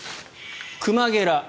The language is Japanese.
クマゲラ。